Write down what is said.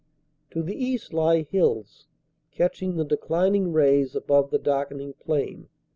To the east lie hills, catching the declining rays above the darkening plain.